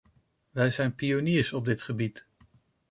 Wij zijn pioniers op dit gebied.